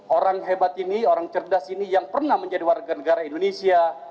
orang hebat ini orang cerdas ini yang pernah menjadi warga negara indonesia